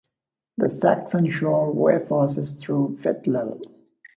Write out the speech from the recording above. The Saxon Shore Way passes through Pett Level.